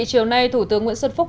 chiều nay thủ tướng nguyễn xuân phúc